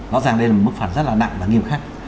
nó dàn lên một mức phạt rất là nặng và nghiêm khắc